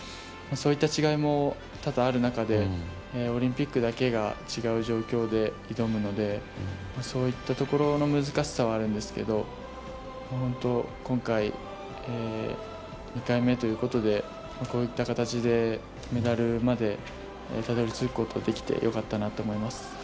そういった違いも多々ある中でオリンピックだけが違う状況で挑むのでそういったところの難しさはあるんですけど今回、２回目ということでこういった形でメダルまでたどり着くことができて良かったなと思います。